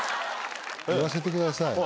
言わせてください。